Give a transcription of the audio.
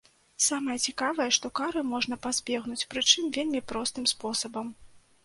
Самае цікавае, што кары можна пазбегнуць, прычым вельмі простым спосабам.